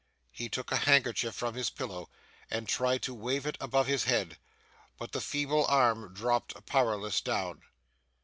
He took a handkerchief from his pillow, and tried to wave it above his head. But the feeble arm dropped powerless down.